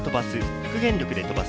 復元力で飛ばす。